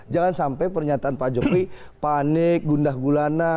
jangan sampai pernyataan pak jokowi panik gundah gulana